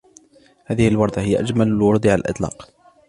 هذه الوردة هي أجمل الورود على الإطلاق.